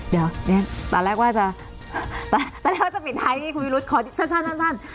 เดี๋ยวตอนแรกว่าจะตอนแรกว่าจะปิดท้ายนี้คุณวิรุชขอสั้น